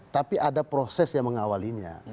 tapi ada proses yang mengawalinya